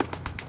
ya udah yaudah